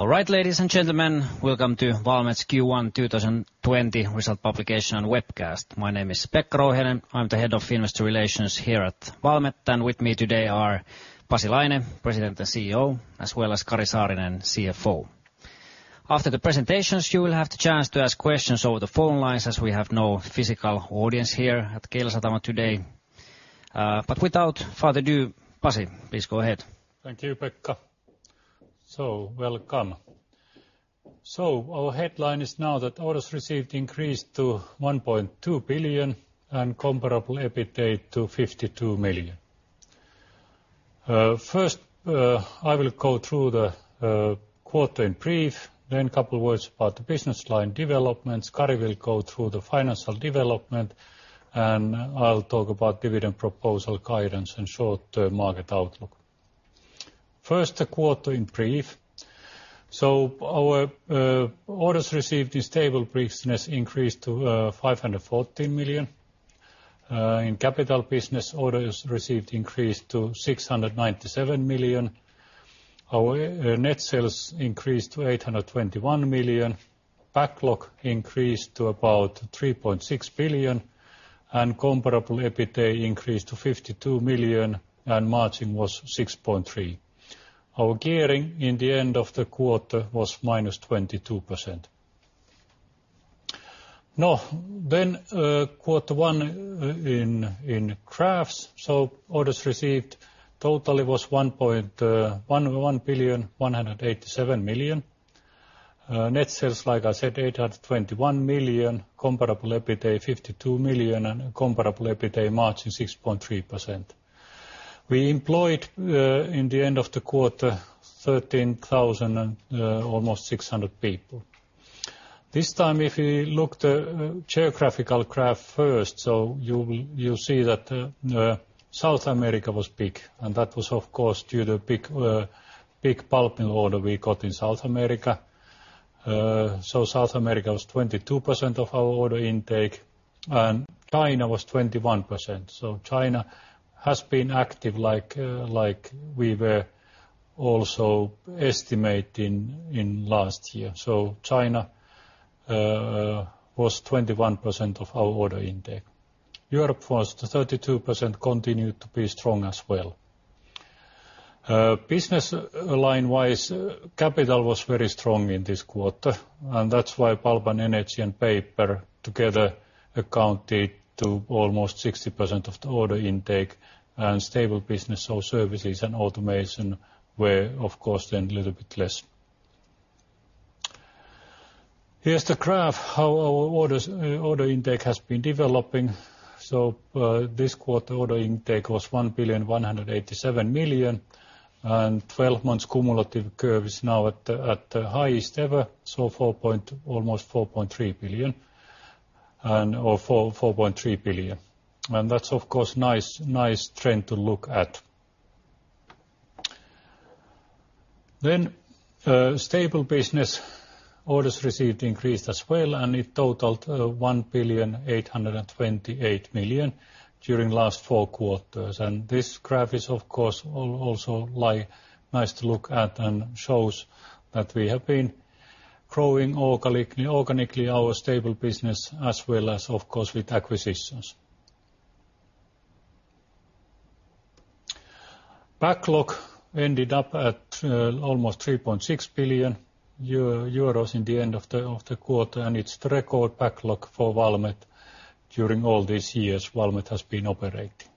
All right, ladies and gentlemen. Welcome to Valmet's Q1 2020 result publication and webcast. My name is Pekka Rouhiainen. I'm the head of investor relations here at Valmet, and with me today are Pasi Laine, President and CEO, as well as Kari Saarinen, CFO. After the presentations, you will have the chance to ask questions over the phone lines as we have no physical audience here at Keilasatama today. Without further ado, Pasi, please go ahead. Thank you, Pekka. Welcome. Our headline is now that orders received increased to 1.2 billion and comparable EBITDA to 52 million. First, I will go through the quarter in brief, then a couple of words about the business line developments. Kari will go through the financial development, and I'll talk about dividend proposal guidance and short-term market outlook. First, the quarter in brief. Our orders received in stable business increased to 514 million. In capital business, orders received increased to 697 million. Our net sales increased to 821 million. Backlog increased to about 3.6 billion and comparable EBITDA increased to 52 million, and margin was 6.3%. Our gearing in the end of the quarter was -22%. Quarter one in graphs. Orders received totally was 1.1 billion, 187 million. Net sales, like I said, 821 million. Comparable EBITDA, 52 million, and comparable EBITDA margin 6.3%. We employed in the end of the quarter 13,600 people. This time, if we look the geographical graph first, you see that South America was big. That was of course due to big pulping order we got in South America. South America was 22% of our order intake. China was 21%. China has been active like we were also estimating in last year. China was 21% of our order intake. Europe was 32%, continued to be strong as well. Business line-wise, capital was very strong in this quarter. That's why pulp and energy and paper together accounted to almost 60% of the order intake. Stable business or services and automation were, of course, a little bit less. Here's the graph, how our order intake has been developing. This quarter order intake was 1.187 billion. 12 months cumulative curve is now at the highest ever, almost 4.3 billion. That's, of course, nice trend to look at. Stable business orders received increased as well. It totaled 1.828 billion during last four quarters. This graph is, of course, also nice to look at and shows that we have been growing organically our stable business as well as, of course, with acquisitions. Backlog ended up at almost 3.6 billion euros in the end of the quarter. It's the record backlog for Valmet during all these years Valmet has been operating.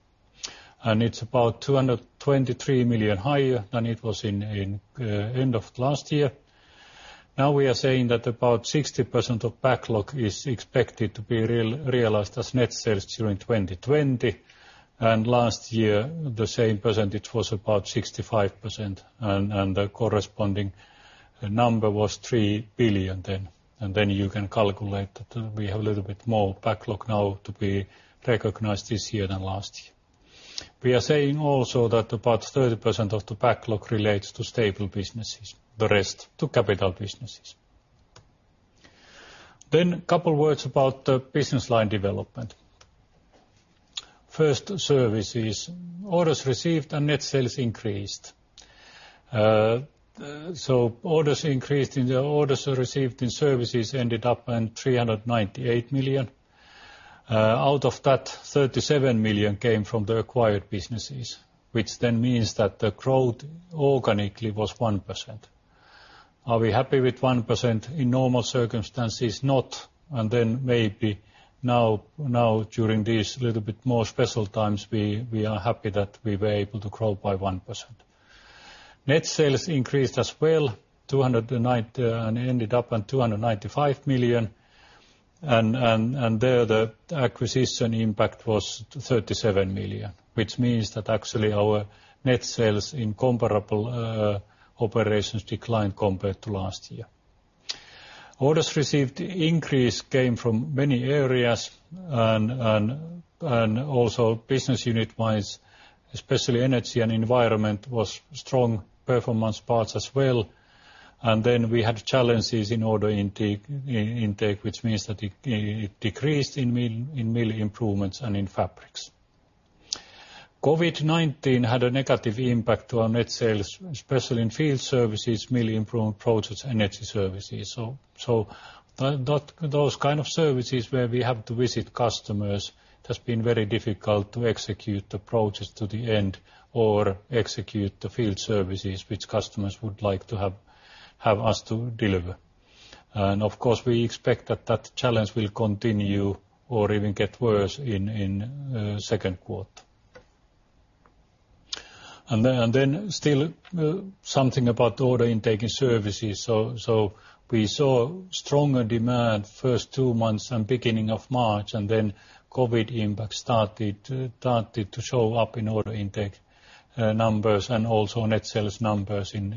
It's about 223 million higher than it was in end of last year. We are saying that about 60% of backlog is expected to be realized as net sales during 2020, and last year, the same percentage was about 65%, and the corresponding number was 3 billion then. You can calculate that we have a little bit more backlog now to be recognized this year than last year. We are saying also that about 30% of the backlog relates to stable businesses, the rest to capital businesses. A couple words about the business line development. First, services. Orders received and net sales increased. Orders increased in the orders received in services ended up in 398 million. Out of that, 37 million came from the acquired businesses, which then means that the growth organically was 1%. Are we happy with 1%? In normal circumstances, not, and then maybe now during these little bit more special times, we are happy that we were able to grow by 1%. Net sales increased as well, ended up in 295 million, there the acquisition impact was 37 million, which means that actually our net sales in comparable operations declined compared to last year. Orders received increase came from many areas also business unit-wise, especially energy and environment was strong performance parts as well. Then we had challenges in order intake, which means that it decreased in mill improvements and in fabrics. COVID-19 had a negative impact to our net sales, especially in field services, mill improvement projects, and energy services. Those kind of services where we have to visit customers, it has been very difficult to execute the projects to the end or execute the field services which customers would like to have us to deliver. Of course, we expect that challenge will continue or even get worse in second quarter. Still something about order intake and services. We saw stronger demand first two months and beginning of March, and then COVID impact started to show up in order intake numbers and also net sales numbers in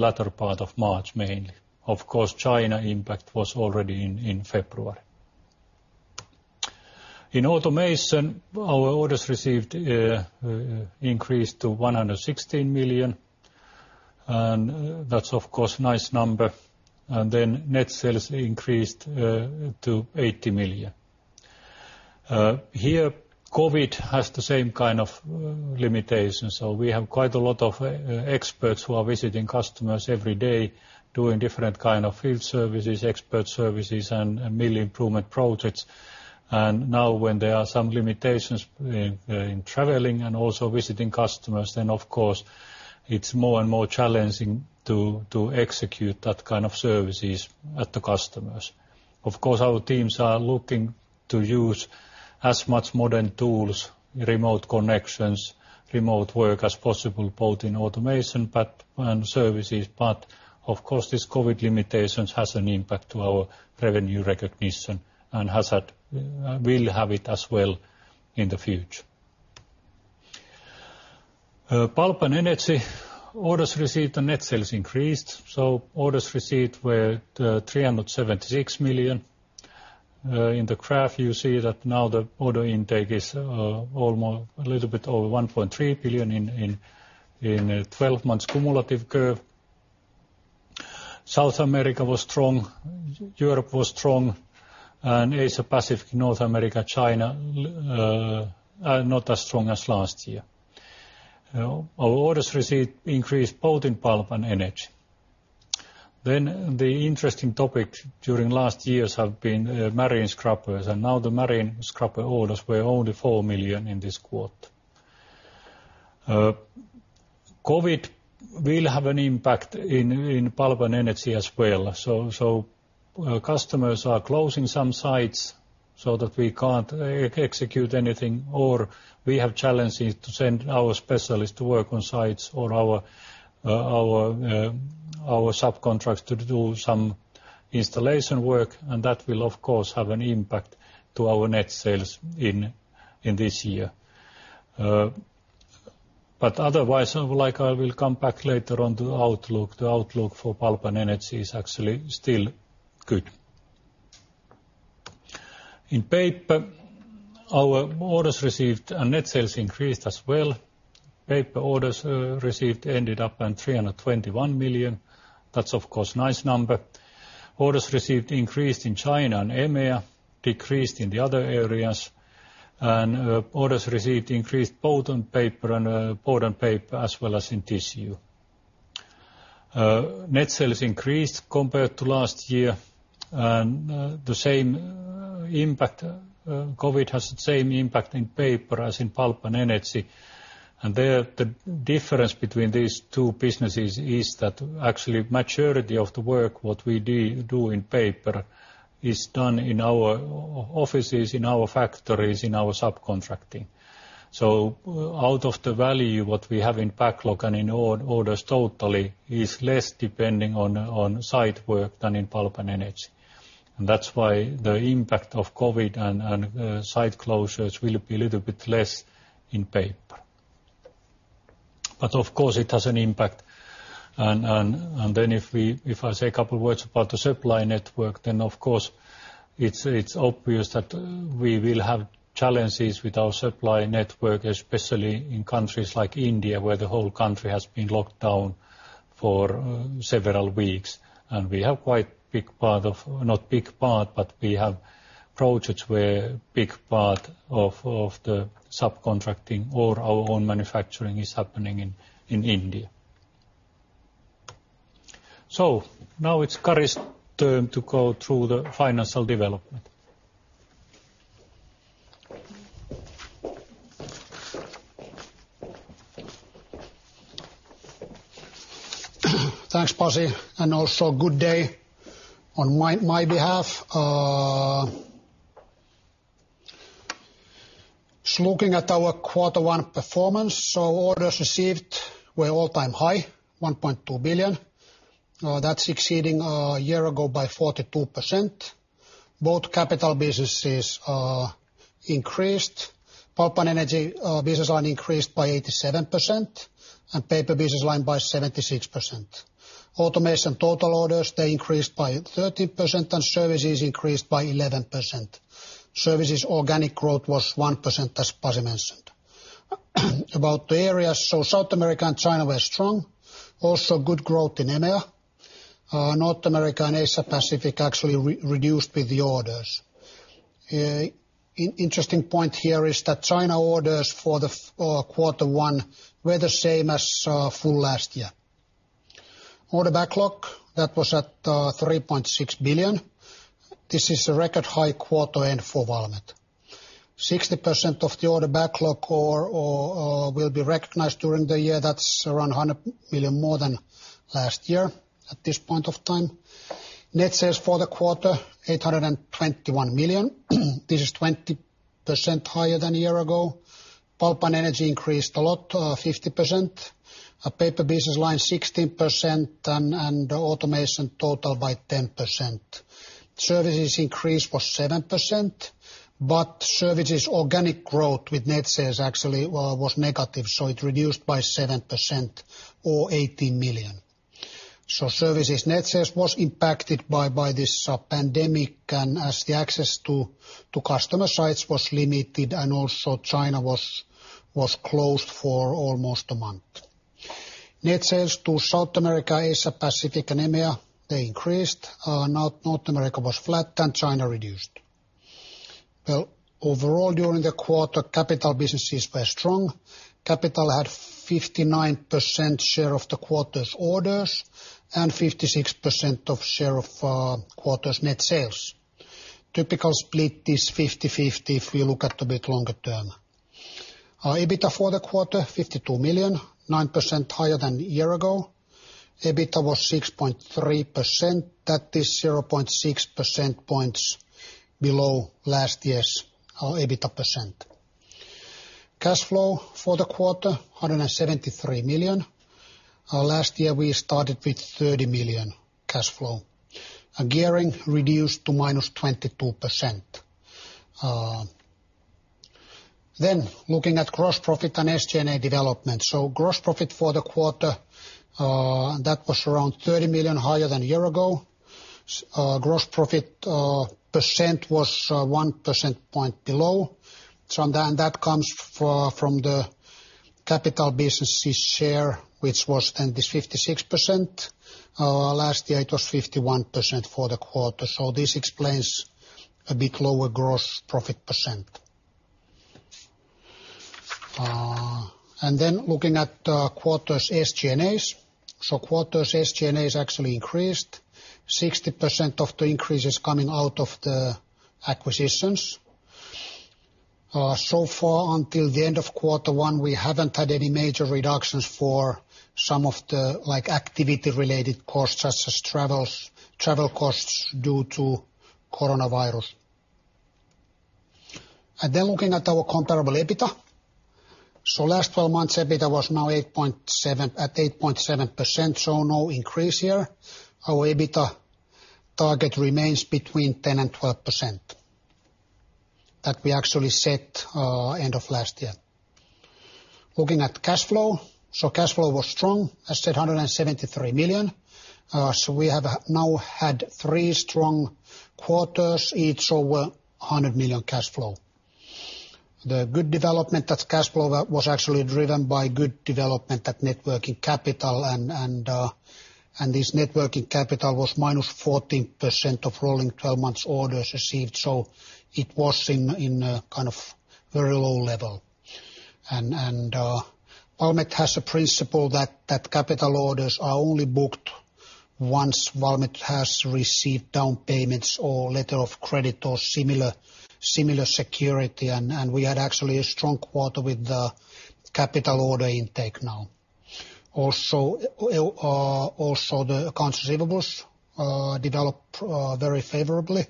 latter part of March, mainly. Of course, China impact was already in February. In automation, our orders received increased to 116 million. That's, of course, nice number. Net sales increased to 80 million. Here, COVID has the same kind of limitations. We have quite a lot of experts who are visiting customers every day, doing different kind of field services, expert services, and mill improvement projects. Now when there are some limitations in traveling and also visiting customers, then of course it's more and more challenging to execute that kind of services at the customers. Of course, our teams are looking to use as much modern tools, remote connections, remote work as possible, both in automation and services. Of course, this COVID-19 limitations has an impact to our revenue recognition and will have it as well in the future. Pulp and energy orders received and net sales increased. Orders received were 376 million. In the graph, you see that now the order intake is a little bit over 1.3 billion in 12 months cumulative curve. South America was strong, Europe was strong, and Asia-Pacific, North America, China are not as strong as last year. Our orders received increased both in pulp and energy. The interesting topic during last years have been marine scrubbers, and now the marine scrubber orders were only 4 million in this quarter. COVID will have an impact in pulp and energy as well. Customers are closing some sites so that we can't execute anything, or we have challenges to send our specialists to work on sites or our subcontracts to do some installation work, and that will, of course, have an impact to our net sales in this year. Otherwise, I will come back later on to outlook. The outlook for pulp and energy is actually still good. In paper, our orders received and net sales increased as well. Paper orders received ended up in 321 million. That's, of course, nice number. Orders received increased in China and EMEA, decreased in the other areas. Orders received increased both on paper as well as in tissue. Net sales increased compared to last year. COVID has the same impact in paper as in pulp and energy. There, the difference between these two businesses is that actually majority of the work, what we do in paper is done in our offices, in our factories, in our subcontracting. Out of the value what we have in backlog and in orders totally is less depending on site work than in pulp and energy. That's why the impact of COVID and site closures will be a little bit less in paper. Of course, it has an impact. Then if I say a couple words about the supply network, then of course it's obvious that we will have challenges with our supply network, especially in countries like India, where the whole country has been locked down for several weeks. We have quite big part of Not big part, but we have projects where big part of the subcontracting or our own manufacturing is happening in India. Now it's Kari's turn to go through the financial development. Thanks, Pasi. Also good day on my behalf. Just looking at our Q1 performance. Orders received were all-time high, 1.2 billion. That's exceeding a year ago by 42%. Both capital businesses increased. Pulp and energy business line increased by 87%, and paper business line by 76%. Automation total orders, they increased by 30%, and services increased by 11%. Services organic growth was 1%, as Pasi mentioned. About the areas, so South America and China were strong. Also good growth in EMEANorth America and Asia Pacific actually reduced with the orders. Interesting point here is that China orders for Q1 were the same as full last year. Order backlog, that was at 3.6 billion. This is a record high quarter end for Valmet. 60% of the order backlog will be recognized during the year. That's around 100 million more than last year at this point of time. Net sales for the quarter, 821 million. This is 20% higher than a year ago. Pulp and energy increased a lot, 50%. Paper business line 16%, automation total by 10%. Services increase was 7%, services organic growth with net sales actually was negative, it reduced by 7% or 18 million. Services net sales was impacted by this pandemic, as the access to customer sites was limited and China was closed for almost a month. Net sales to South America, Asia, Pacific and EMEA, they increased. North America was flat and China reduced. Overall during the quarter, capital businesses were strong. Capital had 59% share of the quarter's orders and 56% of share of quarter's net sales. Typical split is 50/50 if we look at a bit longer term. EBITDA for the quarter, 52 million, 9% higher than a year ago. EBITDA was 6.3%. That is 0.6 percentage points below last year's EBITDA percent. Cash flow for the quarter, 173 million. Last year, we started with 30 million cash flow. Gearing reduced to minus 22%. Looking at gross profit and SG&A development. Gross profit for the quarter, that was around 30 million higher than a year ago. Gross profit percent was one percentage point below. That comes from the capital businesses share, which was then this 56%. Last year it was 51% for the quarter. This explains a bit lower gross profit percent. Looking at quarter's SG&As. Quarter's SG&As actually increased. 60% of the increase is coming out of the acquisitions. Far until the end of Q1, we haven't had any major reductions for some of the activity-related costs such as travel costs due to COVID-19. Looking at our comparable EBITDA. Last 12 months, EBITDA was now at 8.7%, no increase here. Our EBITDA target remains between 10% and 12% that we actually set end of last year. Looking at cash flow. Cash flow was strong, as said, 173 million. We have now had three strong quarters, each over 100 million cash flow. The good development at cash flow was actually driven by good development at net working capital and this net working capital was minus 14% of rolling 12 months orders received. It was in a kind of very low level. Valmet has a principle that capital orders are only booked once Valmet has received down payments or letter of credit or similar security, and we had actually a strong quarter with the capital order intake now. Also, the accounts receivables developed very favorably,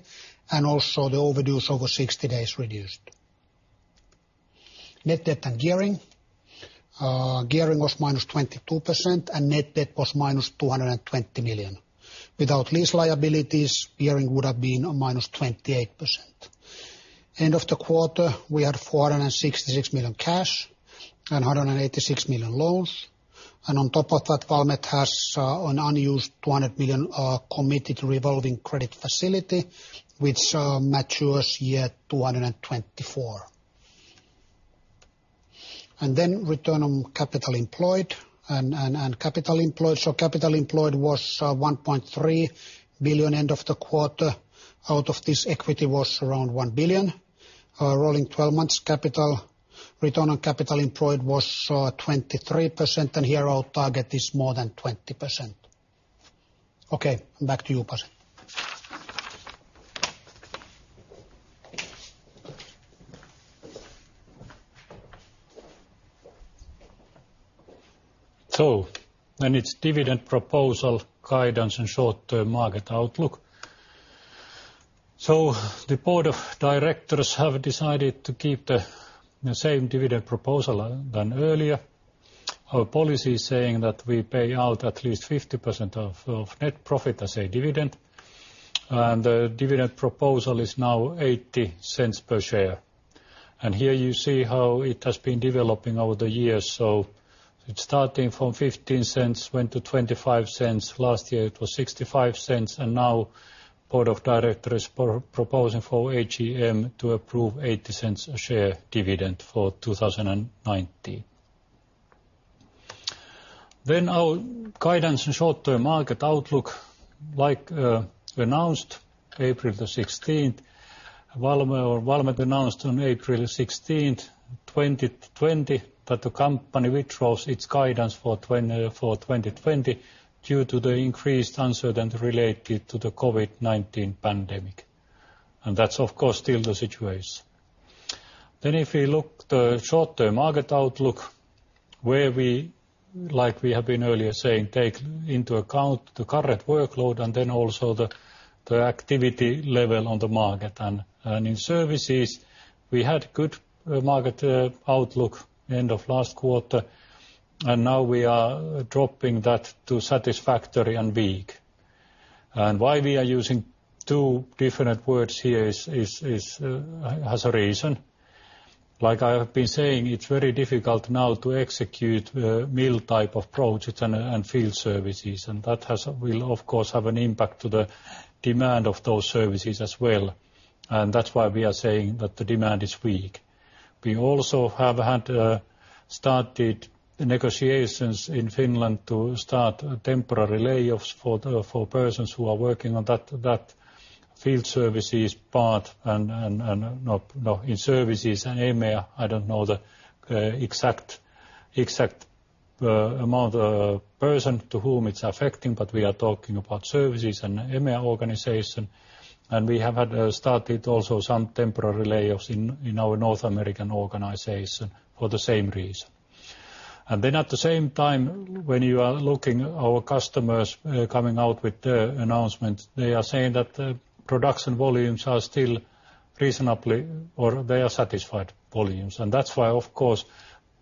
and also the overdues over 60 days reduced. Net debt and gearing. Gearing was -22% and net debt was EUR -220 million. Without lease liabilities, gearing would have been a -28%. End of the quarter, we had 466 million cash and 186 million loans. On top of that, Valmet has an unused 200 million committed revolving credit facility, which matures year 2024. Return on capital employed and capital employed. Capital employed was 1.3 billion end of the quarter. Out of this, equity was around 1 billion. Rolling 12 months capital, return on capital employed was 23%, and here our target is more than 20%. Okay, back to you, Pasi. It's dividend proposal guidance and short-term market outlook. The board of directors have decided to keep the same dividend proposal than earlier. Our policy is saying that we pay out at least 50% of net profit as a dividend. The dividend proposal is now 0.80 per share. Here you see how it has been developing over the years. It's starting from 0.15, went to 0.25. Last year it was 0.65, now board of directors proposing for AGM to approve 0.80 a share dividend for 2019. Our guidance and short-term market outlook, like announced April 16th, Valmet announced on 16th April 2020, that the company withdraws its guidance for 2020 due to the increased uncertainty related to the COVID-19 pandemic. That's of course, still the situation. If we look at the short-term market outlook, where we, like we have been earlier saying, take into account the current workload and then also the activity level on the market. In services, we had good market outlook end of last quarter, and now we are dropping that to satisfactory and weak. Why we are using two different words here has a reason. Like I have been saying, it's very difficult now to execute mill type of projects and field services. That will, of course, have an impact to the demand of those services as well. That's why we are saying that the demand is weak. We also have had started negotiations in Finland to start temporary layoffs for persons who are working on that field services part and in services in EMEA. I don't know the exact amount person to whom it's affecting, but we are talking about services and EMEA organization. We have had started also some temporary layoffs in our North American organization for the same reason. At the same time, when you are looking our customers coming out with their announcements, they are saying that the production volumes are still reasonably or they are satisfied volumes. That's why, of course,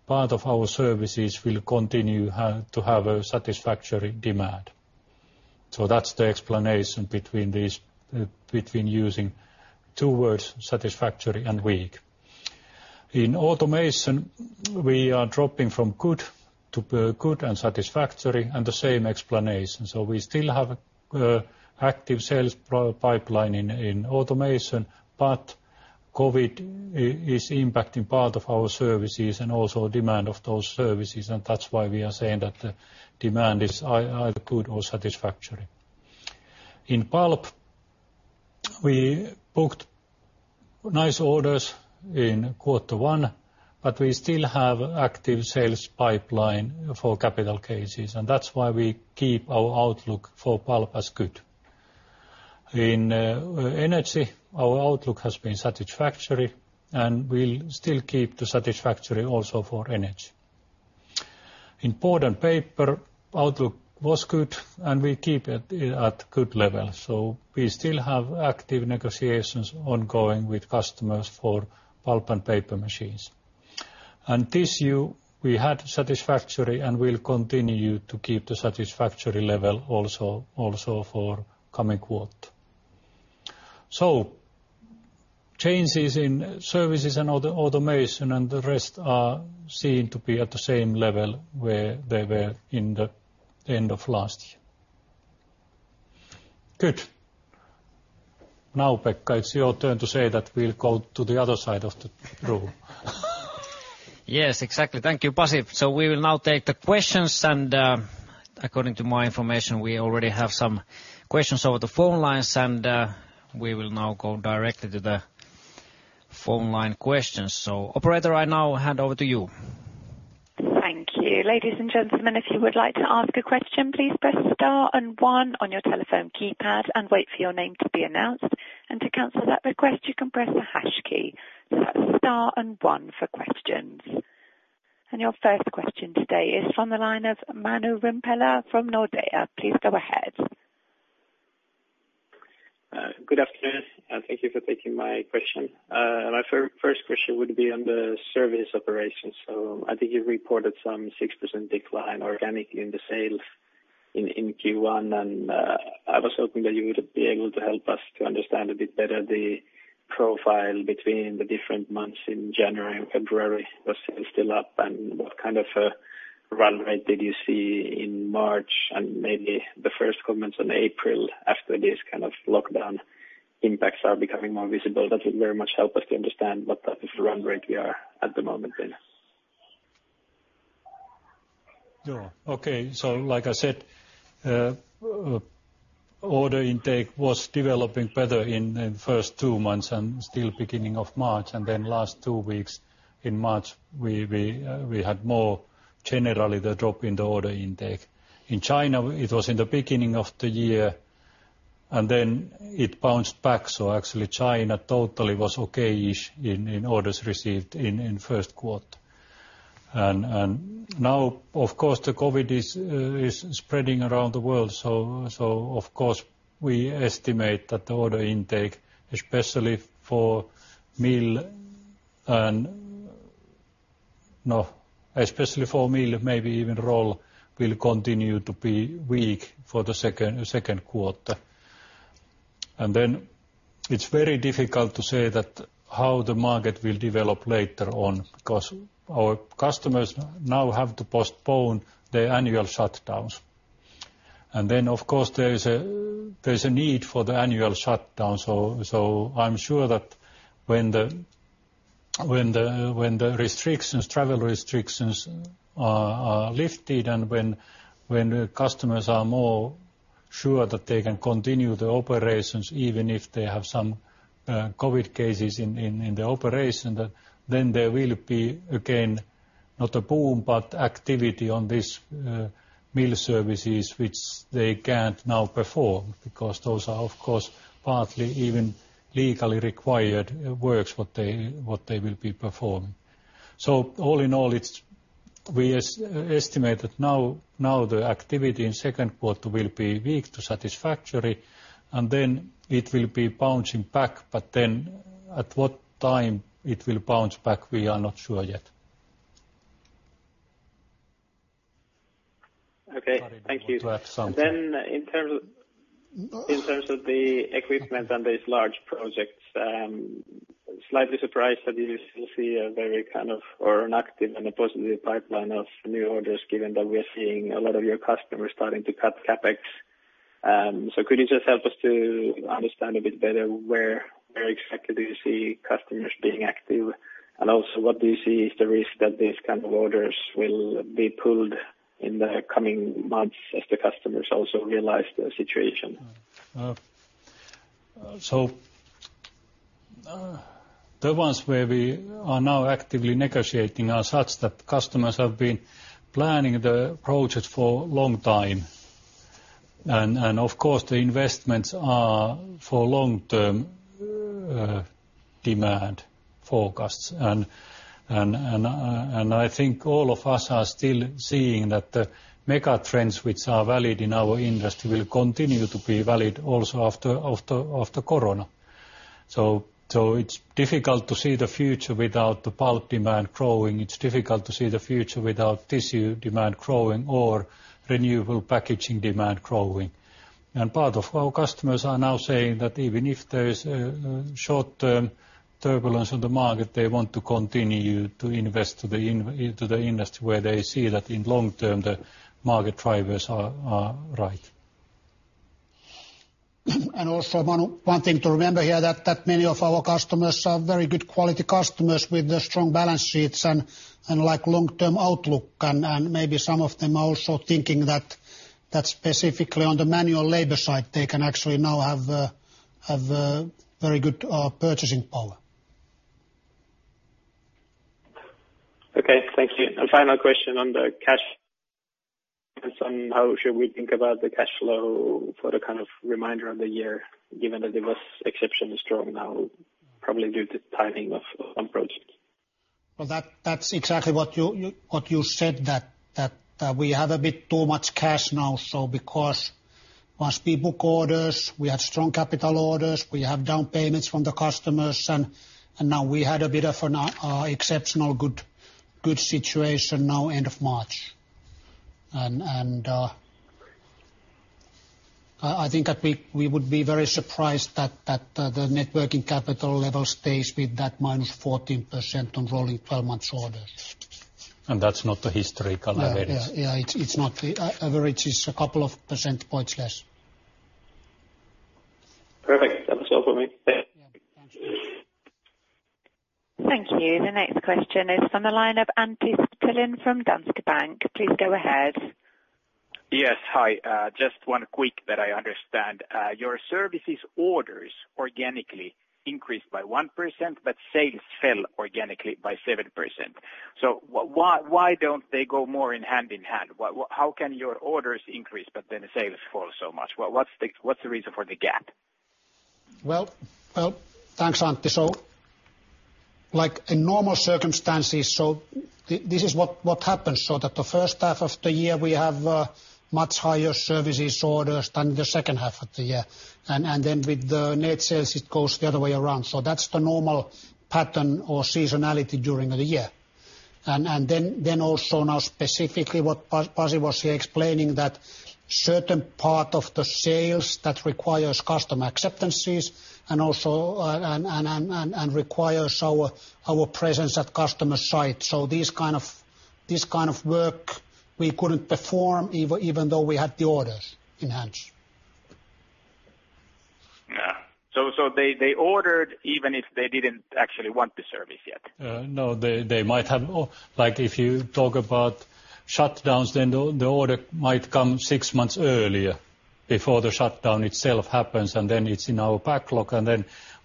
part of our services will continue to have a satisfactory demand. That's the explanation between using two words, satisfactory and weak. In automation, we are dropping from good to good and satisfactory and the same explanation. We still have active sales pipeline in automation, but COVID is impacting part of our services and also demand of those services, and that's why we are saying that the demand is either good or satisfactory. In pulp, we booked nice orders in quarter one. We still have active sales pipeline for capital cases, that's why we keep our outlook for pulp as good. In energy, our outlook has been satisfactory. We'll still keep to satisfactory also for energy. In board and paper, outlook was good. We keep it at good level. We still have active negotiations ongoing with customers for pulp and paper machines. Tissue, we had satisfactory and will continue to keep the satisfactory level also for coming quarter. Changes in services and other automation and the rest are seen to be at the same level where they were in the end of last year. Good. Pekka, it's your turn to say that we'll go to the other side of the room. Yes, exactly. Thank you, Pasi. We will now take the questions, and according to my information, we already have some questions over the phone lines, and we will now go directly to the phone line questions. Operator, I now hand over to you. Thank you. Ladies and gentlemen, if you would like to ask a question, please press star and one on your telephone keypad and wait for your name to be announced. To cancel that request, you can press the hash key. Star and one for questions. Your first question today is from the line of Manu Rimpelä from Nordea. Please go ahead. Good afternoon. Thank you for taking my question. My first question would be on the service operations. I think you reported some 6% decline organically in the sales in Q1, and I was hoping that you would be able to help us to understand a bit better the profile between the different months in January and February was still up, and what kind of a run rate did you see in March and maybe the first comments on April after this kind of lockdown impacts are becoming more visible? That would very much help us to understand what kind of run rate we are at the moment in. Like I said, order intake was developing better in the first two months and still beginning of March. Last two weeks in March, we had more generally the drop in the order intake. In China, it was in the beginning of the year, it bounced back. Actually China totally was okay in orders received in first quarter. Now, of course, the COVID-19 is spreading around the world, of course, we estimate that the order intake, especially for mill, maybe even roll, will continue to be weak for the second quarter. Then it's very difficult to say that how the market will develop later on because our customers now have to postpone their annual shutdowns. Then of course, there is a need for the annual shutdown. I'm sure that when the travel restrictions are lifted and when customers are more sure that they can continue the operations, even if they have some COVID cases in the operation, then there will be, again, not a boom, but activity on these mill services, which they can't now perform because those are, of course, partly even legally required works what they will be performing. All in all, we estimate that now the activity in second quarter will be weak to satisfactory, and then it will be bouncing back. At what time it will bounce back, we are not sure yet. Okay. Thank you. To have some- In terms of the equipment and these large projects, I'm slightly surprised that you still see a very active and a positive pipeline of new orders, given that we're seeing a lot of your customers starting to cut CapEx. Could you just help us to understand a bit better where exactly do you see customers being active? Also what do you see is the risk that these kind of orders will be pulled in the coming months as the customers also realize the situation? The ones where we are now actively negotiating are such that customers have been planning the projects for long time. Of course, the investments are for long term demand forecasts. I think all of us are still seeing that the mega trends, which are valid in our industry, will continue to be valid also after COVID-19. It's difficult to see the future without the pulp demand growing. It's difficult to see the future without tissue demand growing or renewable packaging demand growing. Part of our customers are now saying that even if there is a short-term turbulence on the market, they want to continue to invest to the industry where they see that in long term, the market drivers are right. Also one thing to remember here, that many of our customers are very good quality customers with the strong balance sheets and like long-term outlook. Maybe some of them are also thinking that specifically on the manual labor side, they can actually now have very good purchasing power. Okay, thank you. Final question on the cash and somehow should we think about the cash flow for the kind of reminder of the year, given that it was exceptionally strong now, probably due to the timing of some projects? That's exactly what you said, that we have a bit too much cash now. Because once we book orders, we have strong capital orders, we have down payments from the customers, and now we had a bit of an exceptional good situation now end of March. I think that we would be very surprised that the net working capital level stays with that minus 14% on rolling 12 months orders. That's not the historical average. Yeah. It's not. The average is a couple of percent points less. Perfect. That was all for me. Thanks. Yeah. Thank you. Thank you. The next question is on the line of Antti Petelin from Danske Bank. Please go ahead. Yes. Hi. Just one quick that I understand. Your services orders organically increased by 1%, but sales fell organically by 7%. Why don't they go more in hand in hand? How can your orders increase, but then the sales fall so much? What's the reason for the gap? Well, thanks, Antti. Like in normal circumstances, so this is what happens so that the first half of the year we have much higher services orders than the second half of the year. With the net sales, it goes the other way around. That's the normal pattern or seasonality during the year. Also now specifically what Pasi was explaining that certain part of the sales that requires customer acceptances and requires our presence at customer site. This kind of work we couldn't perform even though we had the orders in hand. Yeah. They ordered even if they didn't actually want the service yet? No, they might have If you talk about shutdowns, then the order might come six months earlier before the shutdown itself happens, and then it's in our backlog.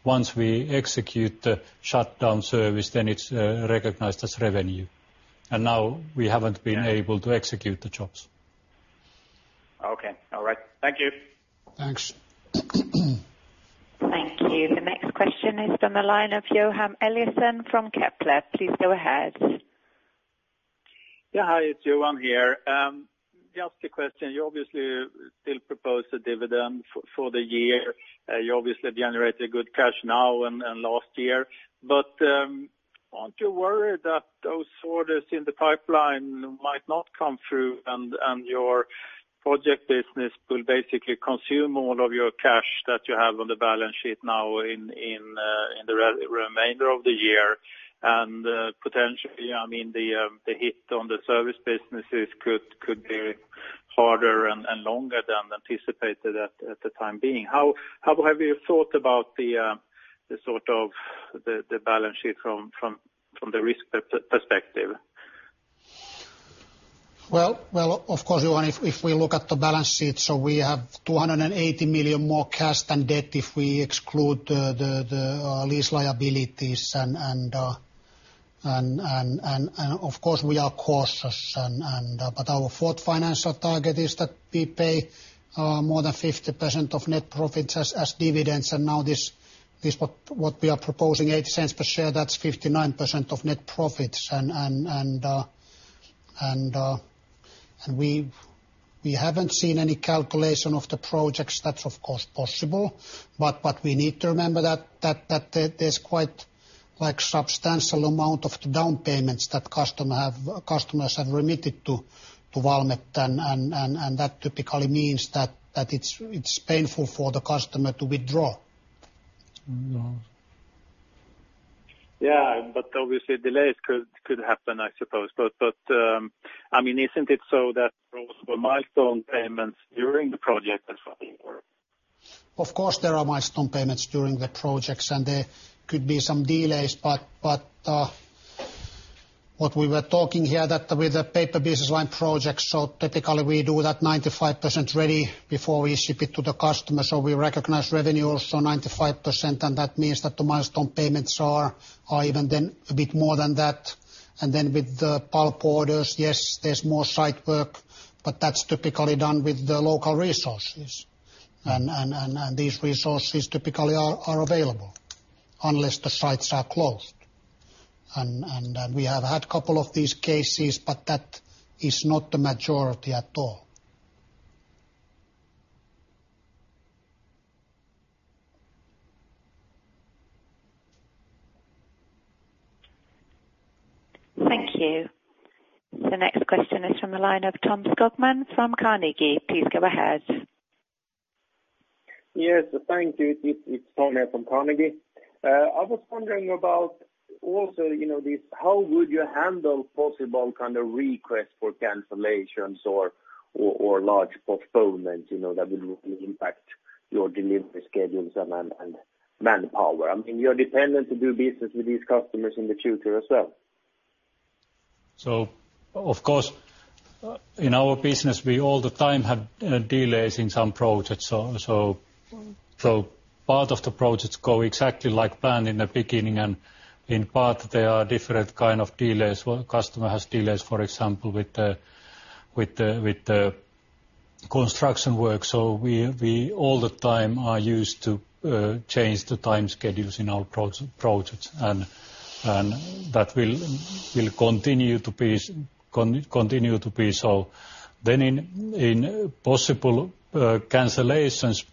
Once we execute the shutdown service, then it's recognized as revenue. Now we haven't been able to execute the jobs. Okay. All right. Thank you. Thanks. Thank you. The next question is on the line of Johan Eliason from Kepler. Please go ahead. Yeah. Hi, it's Johan here. Just a question. You obviously still propose a dividend for the year. You obviously have generated good cash now and last year. Aren't you worried that those orders in the pipeline might not come through and your project business will basically consume all of your cash that you have on the balance sheet now in the remainder of the year? Potentially, the hit on the service businesses could be harder and longer than anticipated at the time being. How have you thought about the balance sheet from the risk perspective? Well, of course, Johan, if we look at the balance sheet, we have 280 million more cash than debt if we exclude the lease liabilities. Of course we are cautious, but our fourth financial target is that we pay more than 50% of net profits as dividends, now this what we are proposing, 0.80 per share, that's 59% of net profits. We haven't seen any calculation of the projects. That's of course possible, but we need to remember that there's quite substantial amount of the down payments that customers have remitted to Valmet, that typically means that it's painful for the customer to withdraw. Yeah. Obviously delays could happen, I suppose. Isn't it so that there are possible milestone payments during the project as well? Of course, there are milestone payments during the projects, and there could be some delays, but what we were talking here that with the paper business line projects, so typically we do that 95% ready before we ship it to the customer. We recognize revenue also 95%, and that means that the milestone payments are even then a bit more than that. With the pulp orders, yes, there's more site work, but that's typically done with the local resources. These resources typically are available unless the sites are closed. We have had couple of these cases, but that is not the majority at all. Thank you. The next question is from the line of Tom Skogman from Carnegie. Please go ahead. Yes. Thank you. It's Tom here from Carnegie. I was wondering about also this, how would you handle possible kind of requests for cancellations or large postponements that will impact your delivery schedules and manpower? You're dependent to do business with these customers in the future as well. Of course, in our business, we all the time have delays in some projects. Part of the projects go exactly like planned in the beginning, and in part there are different kind of delays, where customer has delays, for example, with the construction work. We all the time are used to change the time schedules in our projects, and that will continue to be so. In possible cancellations,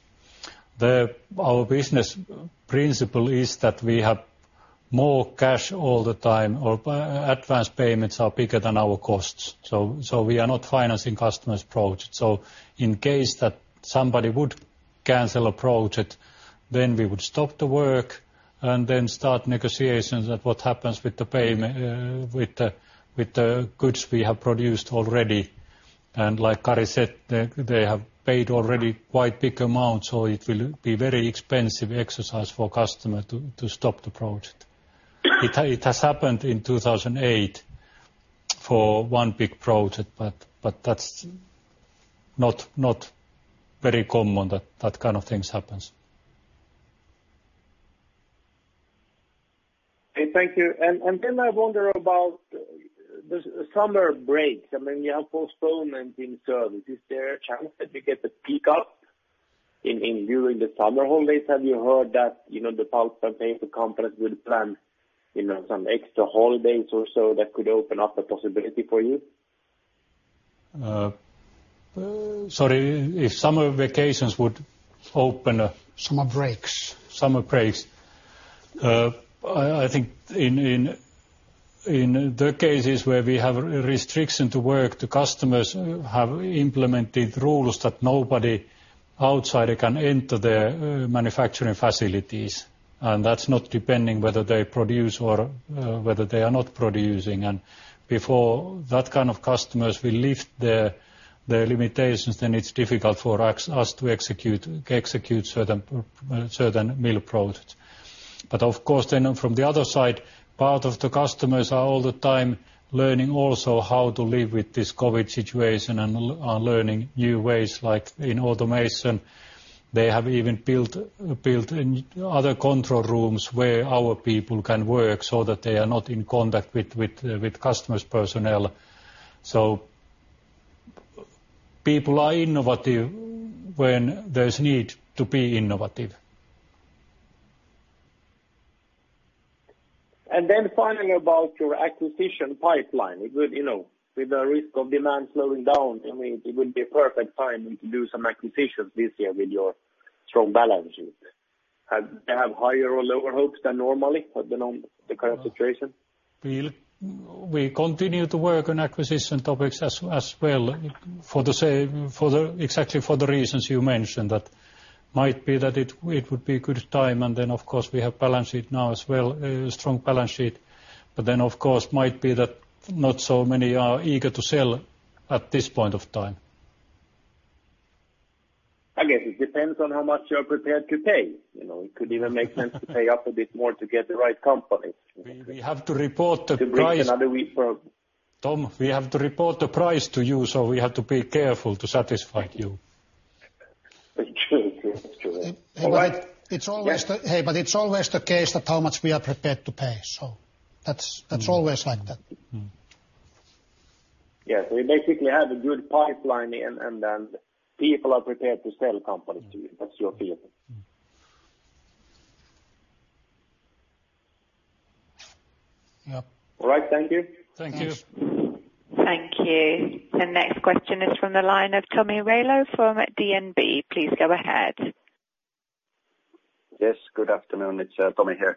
our business principle is that we have more cash all the time, or advance payments are bigger than our costs. We are not financing customers' projects. In case that somebody would cancel a project, then we would stop the work and then start negotiations at what happens with the goods we have produced already. Like Kari said, they have paid already quite big amounts, so it will be very expensive exercise for customer to stop the project. It has happened in 2008 for one big project, but that's not very common that kind of things happens. Thank you. I wonder about the summer breaks. You have postponement in service. Is there a chance that you get a peak up during the summer holidays? Have you heard that the pulp and paper companies will plan some extra holidays or so that could open up a possibility for you? Sorry, if summer vacations would open up. Summer breaks. summer breaks. I think in the cases where we have restriction to work, the customers have implemented rules that nobody outsider can enter their manufacturing facilities, that's not depending whether they produce or whether they are not producing. Before that kind of customers will lift their limitations, then it's difficult for us to execute certain mill projects. Of course, then from the other side, part of the customers are all the time learning also how to live with this COVID situation and are learning new ways, like in automation. They have even built other control rooms where our people can work so that they are not in contact with customers' personnel. People are innovative when there's need to be innovative. Finally about your acquisition pipeline. With the risk of demand slowing down, it would be a perfect time to do some acquisitions this year with your strong balance sheet. Have higher or lower hopes than normally given the current situation? We continue to work on acquisition topics as well exactly for the reasons you mentioned. That might be that it would be a good time, and then, of course, we have balance sheet now as well, a strong balance sheet. Of course, might be that not so many are eager to sell at this point of time. I guess it depends on how much you are prepared to pay. It could even make sense to pay up a bit more to get the right company. We have to report the price. To bring another week from... Tom, we have to report the price to you, so we have to be careful to satisfy you. It's true. Hey, it's always the case that how much we are prepared to pay, so that's always like that. Yes. You basically have a good pipeline and then people are prepared to sell companies to you. That's your feeling? Yes. All right. Thank you. Thank you. Thank you. The next question is from the line of Tomi Railo from DNB. Please go ahead. Yes, good afternoon. It's Tomi here.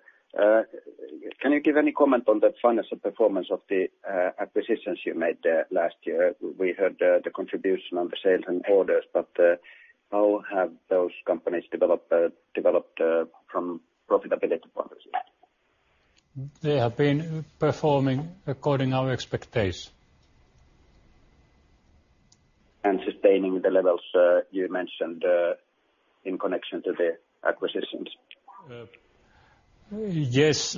Can you give any comment on the financial performance of the acquisitions you made last year? We heard the contribution on the sales and orders, how have those companies developed from profitability point of view? They have been performing according our expectations. Sustaining the levels you mentioned in connection to the acquisitions? Yes.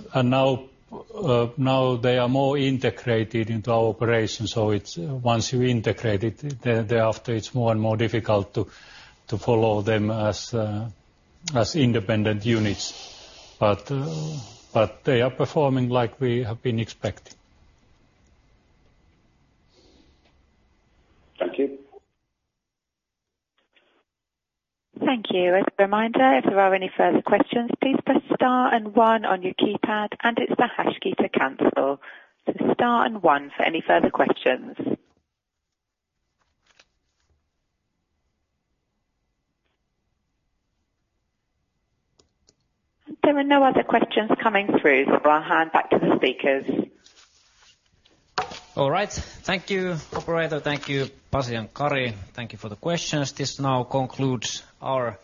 Now they are more integrated into our operations. Once you integrate it, thereafter it's more and more difficult to follow them as independent units. They are performing like we have been expecting. Thank you. Thank you. As a reminder, if there are any further questions, please press star and one on your keypad, and it's the hash key to cancel. Star and one for any further questions. There are no other questions coming through, so we'll hand back to the speakers. All right. Thank you, operator. Thank you, Pasi and Kari. Thank you for the questions. This now concludes our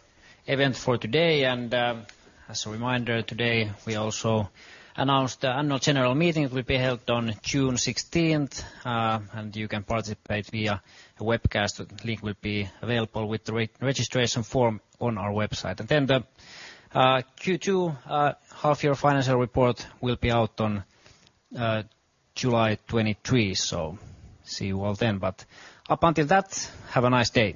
event for today. As a reminder today, we also announced the Annual General Meeting will be held on June 16th and you can participate via a webcast. The link will be available with the registration form on our website. The Q2 half year financial report will be out on July 23. See you all then. Up until that, have a nice day.